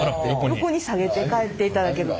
横にさげて帰っていただける。